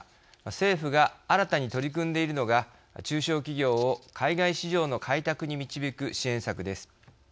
政府が新たに取り組んでいるのが中小企業を海外市場の開拓に導く支援策です。